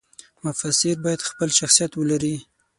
مفسر باید خپل شخصیت ولري.